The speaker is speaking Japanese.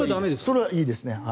それはいいですね。